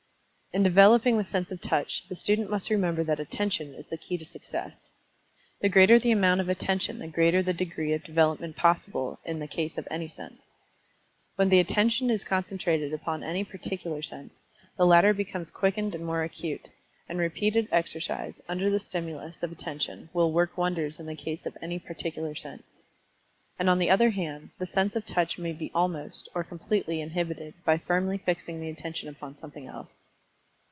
In developing the sense of Touch, the student must remember that Attention is the key to success. The greater the amount of Attention the greater the degree of development possible in the case of any sense. When the Attention is concentrated upon any particular sense, the latter becomes quickened and more acute, and repeated exercise, under the stimulus of Attention, will work wonders in the case of any particular sense. And on the other hand, the sense of touch may be almost, or completely inhibited, by firmly fixing the Attention upon something else.